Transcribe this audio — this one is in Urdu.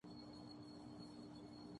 بہت سچا بنتا ھے دوسروں کے لئے